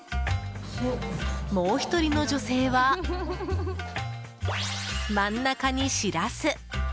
もう１人の女性は真ん中にシラス。